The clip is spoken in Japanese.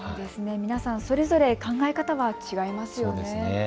皆さん、それぞれ考え方は違いますよね。